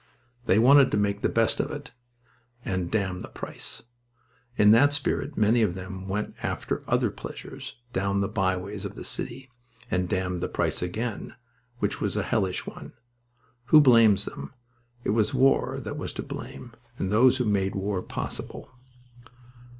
They wanted to make the best of it and damn the price. In that spirit many of them went after other pleasures down the byways of the city, and damned the price again, which was a hellish one. Who blames them? It was war that was to blame, and those who made war possible.